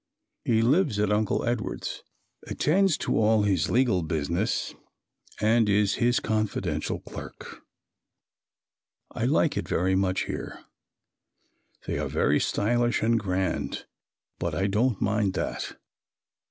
He lives at Uncle Edward's; attends to all of his legal business and is his confidential clerk. I like it very much here. They are very stylish and grand but I don't mind that.